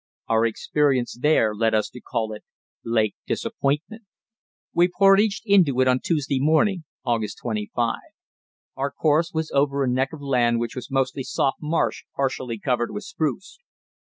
Our experience there led us to call it Lake Disappointment. We portaged into it on Tuesday morning (August 25). Our course was over a neck of land which was mostly soft marsh partially covered with spruce.